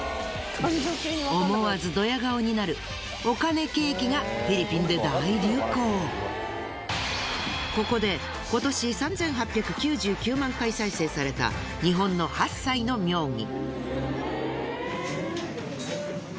思わずドヤ顔になるお金ケーキがここで今年３，８９９万回再生された日本の８歳の妙技。